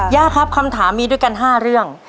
ย่าครับคำถามมีด้วยกัน๕เรื่อง